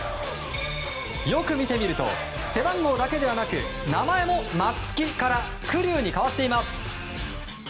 よく見てみると背番号だけではなく名前も「ＭＡＴＳＵＫＩ」から「ＫＵＲＹＵ」に変わっています。